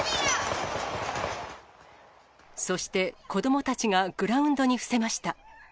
そして、子どもたちがグラウンドに伏せました。